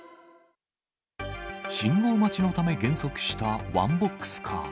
信号待ちのため減速したワンボックスカー。